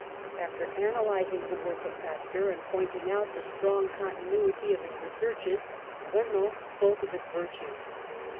'' After analysing the work of Pasteur, and pointing out the strong continuity of his re searches, Renan spoke of his virtues.